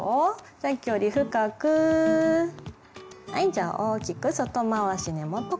さっきより深くはいじゃあ大きく外回し根元から。